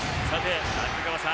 中川さん